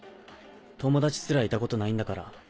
友達すらいたことないんだから。